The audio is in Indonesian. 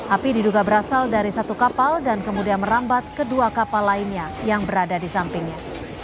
api diduga berasal dari satu kapal dan kemudian merambat kedua kapal lainnya yang berada di sampingnya